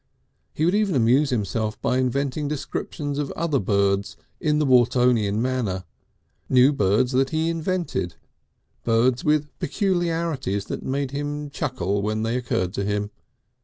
He would even amuse himself by inventing descriptions of other birds in the Watertonian manner, new birds that he invented, birds with peculiarities that made him chuckle when they occurred to him.